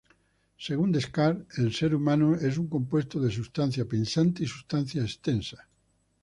Según Descartes, el ser humano es un compuesto de sustancia pensante y sustancia extensa.